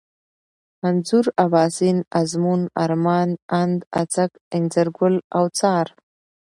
انځور ، اباسين ، ازمون ، ارمان ، اند، اڅک ، انځرگل ، اوڅار